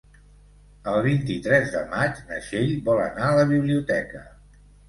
El vint-i-tres de maig na Txell vol anar a la biblioteca.